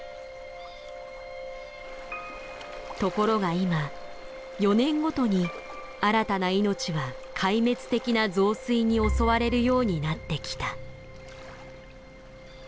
ところが今４年ごとに新たな命は壊滅的な増水に襲われるようになってきた。